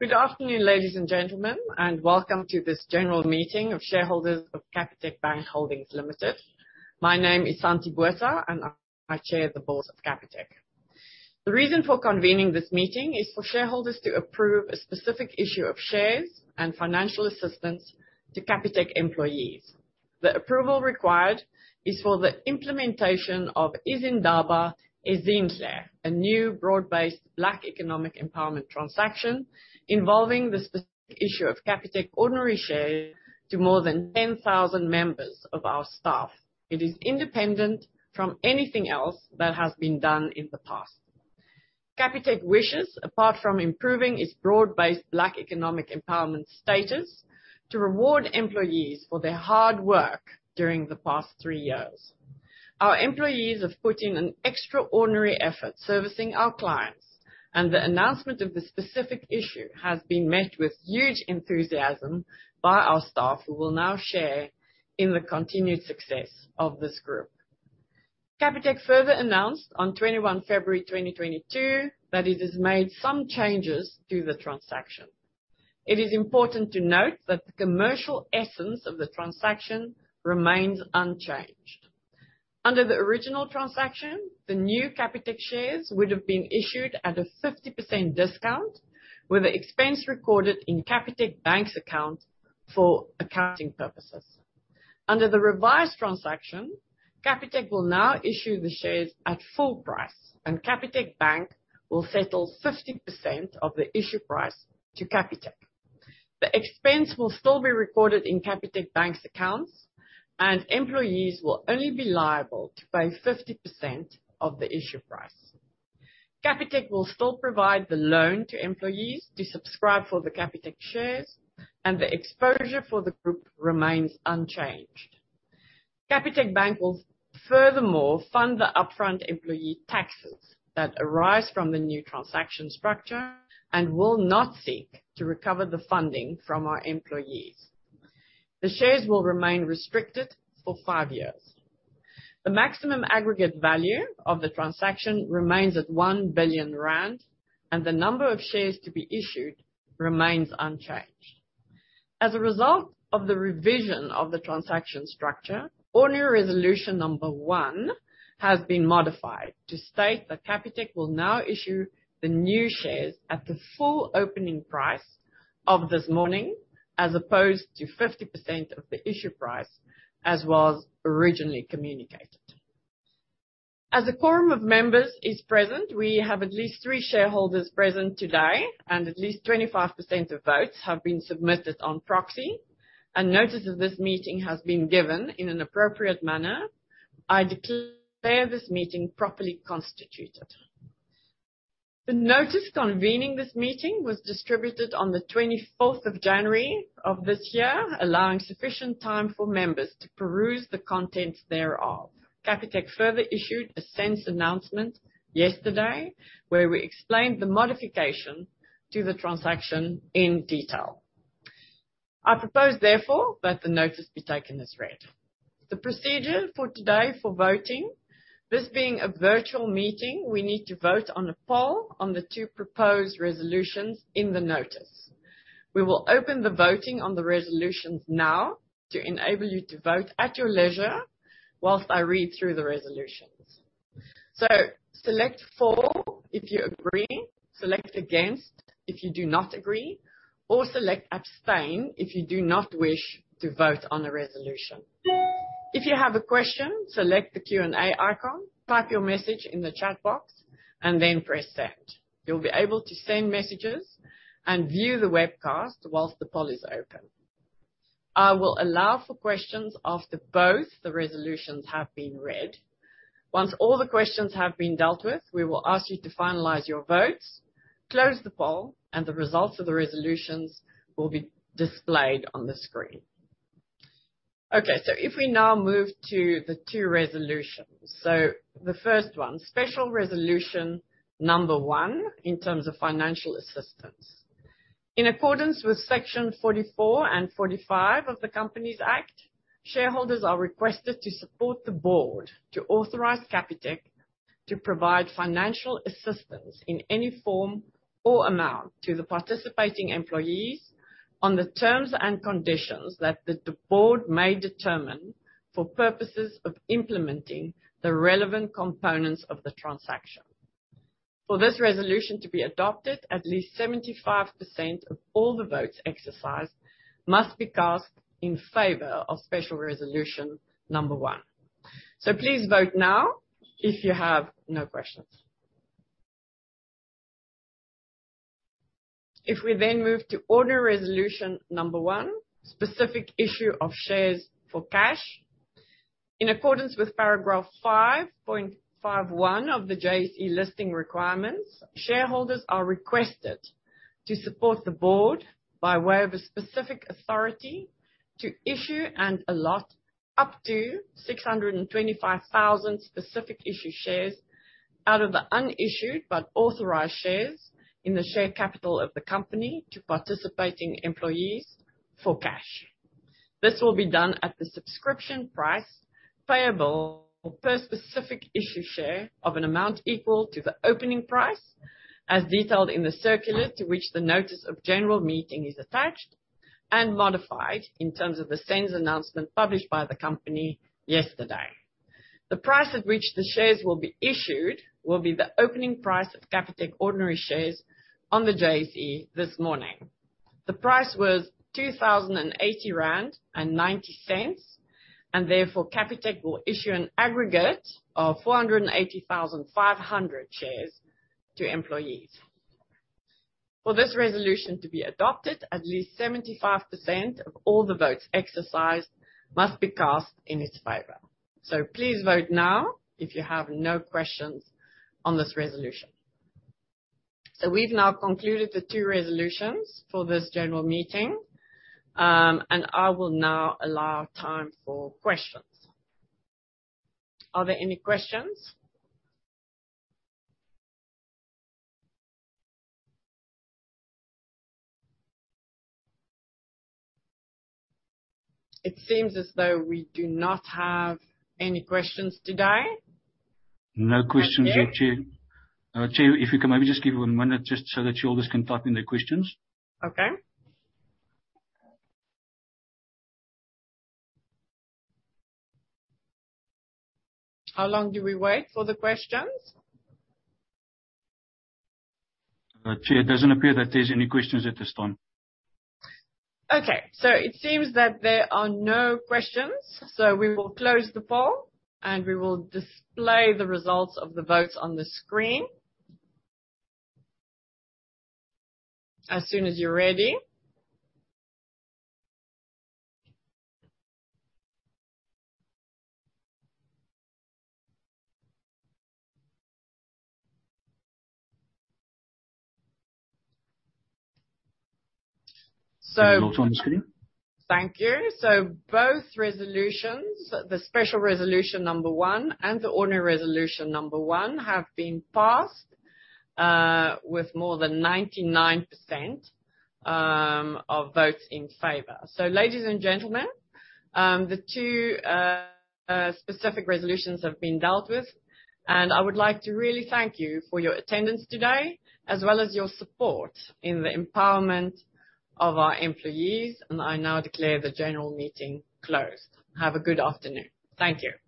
Good afternoon, ladies and gentlemen, and welcome to this general meeting of shareholders of Capitec Bank Holdings Limited. My name is Santie Botha, and I chair the board of Capitec. The reason for convening this meeting is for shareholders to approve a specific issue of shares and financial assistance to Capitec employees. The approval required is for the implementation of Izindaba Ezinhle, a new Broad-Based Black Economic Empowerment transaction involving the specific issue of Capitec ordinary share to more than 10,000 members of our staff. It is independent from anything else that has been done in the past. Capitec wishes, apart from improving its Broad-Based Black Economic Empowerment status, to reward employees for their hard work during the past three years. Our employees have put in an extraordinary effort servicing our clients, and the announcement of the specific issue has been met with huge enthusiasm by our staff, who will now share in the continued success of this group. Capitec further announced on 21 February 2022 that it has made some changes to the transaction. It is important to note that the commercial essence of the transaction remains unchanged. Under the original transaction, the new Capitec shares would have been issued at a 50% discount, with the expense recorded in Capitec Bank's account for accounting purposes. Under the revised transaction, Capitec will now issue the shares at full price, and Capitec Bank will settle 50% of the issue price to Capitec. The expense will still be recorded in Capitec Bank's accounts, and employees will only be liable to pay 50% of the issue price. Capitec will still provide the loan to employees to subscribe for the Capitec shares, and the exposure for the group remains unchanged. Capitec Bank will furthermore fund the upfront employee taxes that arise from the new transaction structure and will not seek to recover the funding from our employees. The shares will remain restricted for five years. The maximum aggregate value of the transaction remains at 1 billion rand, and the number of shares to be issued remains unchanged. As a result of the revision of the transaction structure, ordinary resolution number one has been modified to state that Capitec will now issue the new shares at the full opening price of this morning as opposed to 50% of the issue price, as was originally communicated. As a quorum of members is present, we have at least three shareholders present today, and at least 25% of votes have been submitted on proxy. Notice of this meeting has been given in an appropriate manner. I declare this meeting properly constituted. The notice convening this meeting was distributed on the 24th of January of this year, allowing sufficient time for members to peruse the contents thereof. Capitec further issued a SENS announcement yesterday, where we explained the modification to the transaction in detail. I propose, therefore, that the notice be taken as read. The procedure for today for voting. This being a virtual meeting, we need to vote on a poll on the two proposed resolutions in the notice. We will open the voting on the resolutions now to enable you to vote at your leisure while I read through the resolutions. Select for if you agree, select against if you do not agree, or select abstain if you do not wish to vote on the resolution. If you have a question, select the Q&A icon, type your message in the chat box and then press send. You'll be able to send messages and view the webcast while the poll is open. I will allow for questions after both the resolutions have been read. Once all the questions have been dealt with, we will ask you to finalize your votes, close the poll, and the results of the resolutions will be displayed on the screen. Okay. If we now move to the two resolutions. The first one, special resolution number one, in terms of financial assistance. In accordance with Section 44 and 45 of the Companies Act, shareholders are requested to support the board to authorize Capitec to provide financial assistance in any form or amount to the participating employees on the terms and conditions that the board may determine for purposes of implementing the relevant components of the transaction. For this resolution to be adopted, at least 75% of all the votes exercised must be cast in favor of special resolution number one. Please vote now if you have no questions. If we then move to ordinary resolution number one, specific issue of shares for cash. In accordance with paragraph 5.51 of the JSE Listings Requirements, shareholders are requested to support the board by way of a specific authority to issue and allot up to 625,000 specific issue shares out of the unissued but authorized shares in the share capital of the company to participating employees for cash. This will be done at the subscription price payable per specific issue share of an amount equal to the opening price, as detailed in the circular, to which the notice of general meeting is attached and modified in terms of the SENS announcement published by the company yesterday. The price at which the shares will be issued will be the opening price of Capitec ordinary shares on the JSE this morning. The price was 2,080.90 rand, and therefore, Capitec will issue an aggregate of 480,500 shares to employees. For this resolution to be adopted, at least 75% of all the votes exercised must be cast in its favor. Please vote now if you have no questions on this resolution. We've now concluded the two resolutions for this general meeting, and I will now allow time for questions. Are there any questions? It seems as though we do not have any questions today. No questions yet, Chair. Chair, if you can maybe just give everyone a minute just so that your listeners can type in their questions. Okay. How long do we wait for the questions? Chair, it doesn't appear that there's any questions at this time. Okay. It seems that there are no questions. We will close the poll, and we will display the results of the votes on the screen. As soon as you're ready. Results on the screen. Thank you. Both resolutions, the special resolution number one and the ordinary resolution number one, have been passed with more than 99% of votes in favor. Ladies and gentlemen, the two specific resolutions have been dealt with, and I would like to really thank you for your attendance today, as well as your support in the empowerment of our employees. I now declare the general meeting closed. Have a good afternoon. Thank you.